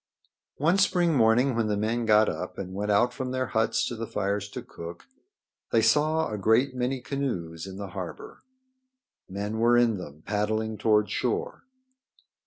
One spring morning when the men got up and went out from their huts to the fires to cook they saw a great many canoes in the harbor. Men were in them paddling toward shore.